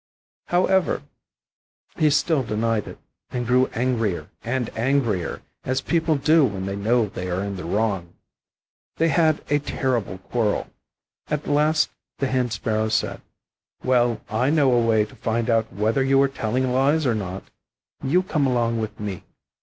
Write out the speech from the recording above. However, he still denied it, and grew angrier and angrier, as people do when they know they are in the wrong. They had a terrible quarrel. At last the Hen sparrow said, "Well, I know a way to find out whether you are telling lies or not. You come along with me."